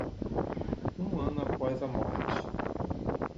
Um ano após a morte